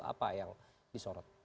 apa yang disorot